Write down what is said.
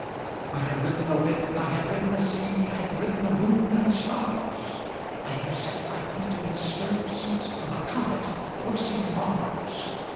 I have ridden the wind,I have ridden the sea,I have ridden the moon and stars.I have set my feet in the stirrup seatOf a comet coursing Mars.